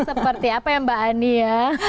seperti apa ya mbak ani ya